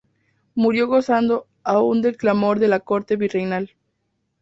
Murió gozando aún del clamor de la corte virreinal.